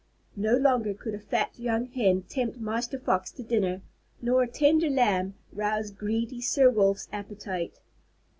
No longer could a fat young hen tempt Master Fox to dinner, nor a tender lamb rouse greedy Sir Wolf's appetite.